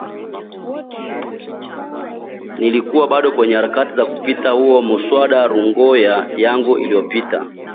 Nilikuwa bado kwenye harakati za kuupitia huo muswada rungoya yangu ilipoita